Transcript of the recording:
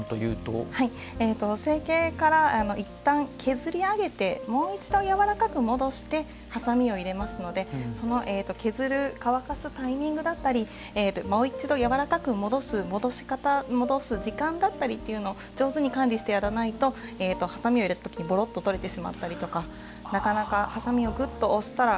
成形から、いったん削り上げてもう一度、やわらかく戻して、はさみを入れますのでその削る、乾かすタイミングだったりもう一度、やわらかく戻す時間だったりというのを上手に管理してやらないとはさみを入れたときにボロッと取れてしまったりなかなかはさみをずっと押したら